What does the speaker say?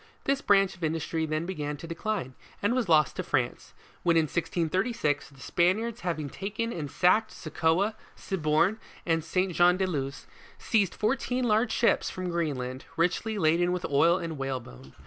This branch of in dustry then began to decline, and was lost to France, when in 1636, the Spaniards having taken and sacked Soccoa, Cibourn, and Saint Jean de Luz, seized fourteen large ships, from Green land, richly laden with oil and whalebone.